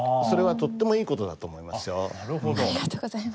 それはとってもいい事だと思いますよ。